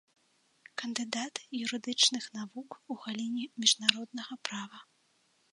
Кандыдат юрыдычных навук у галіне міжнароднага права.